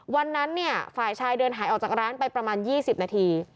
วันนั้นเนี่ยฝ่ายชายเดินหายออกจากร้านไปประมาณ๒๐นาที